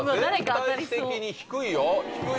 全体的に低いよ低い。